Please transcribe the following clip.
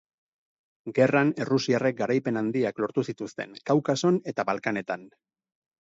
Gerran errusiarrek garaipen handiak lortu zituzten Kaukason eta Balkanetan.